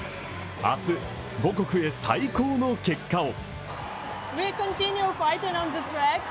明日、母国へ最高の結果を。